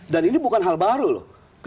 dan ini bukan hal baru loh